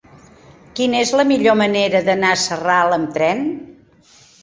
Quina és la millor manera d'anar a Sarral amb tren?